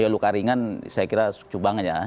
luka ringan saya kira cukup banget ya